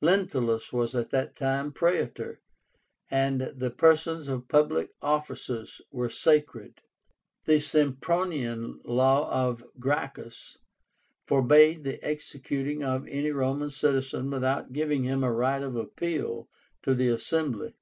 Lentulus was at that time Praetor, and the persons of public officers were sacred. The Sempronian Law of Gracchus forbade the executing of any Roman citizen without giving him a right of appeal to the Assembly.